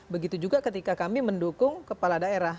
begitu juga ketika kami mendukung kepala daerah